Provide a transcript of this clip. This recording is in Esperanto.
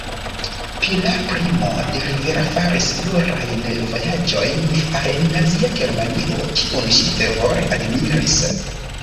Pilar Primo de Rivera faris plurajn vojaĝojn al Nazia Germanio, kiun ŝi fervore admiris.